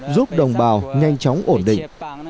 giúp đồng bào nhanh chóng ổn định